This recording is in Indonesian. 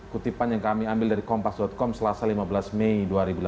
kutipan yang kami ambil dari kompas com selasa lima belas mei dua ribu delapan belas